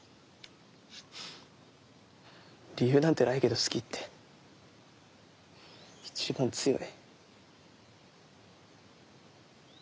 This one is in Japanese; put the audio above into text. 「理由なんてないけど好き」っていちばん強い。